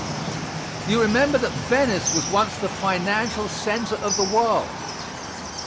You remember that Venice was once the financial center of the world.